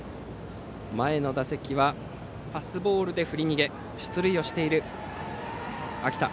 前の打席はパスボールで振り逃げ出塁をしている秋田。